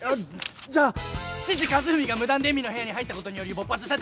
じゃあ父和史が無断で恵美の部屋に入ったことにより勃発した第四次親子戦争。